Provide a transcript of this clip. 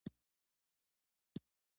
آیا د افغان تاجک نفتي حوزه تیل لري؟